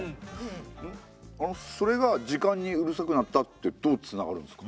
あのそれが時間にうるさくなったってどうつながるんですか？